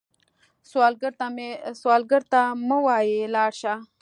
سوالګر ته مه وايئ “لاړ شه”